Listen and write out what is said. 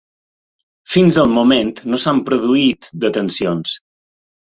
Fins al moment no s’han produït detencions.